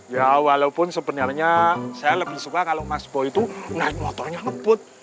ya walaupun sebenarnya saya lebih suka kalau mas bo itu naik motornya lembut